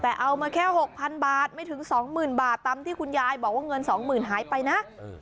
แต่เอามาแค่๖๐๐๐บาทไม่ถึง๒๐๐๐บาทตามที่คุณยายบอกว่าเงิน๒๐๐๐หายไปนะ